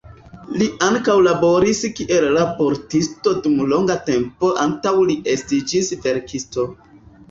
Li ankaŭ laboris kiel raportisto dum nelonga tempo antaŭ li estiĝis verkisto.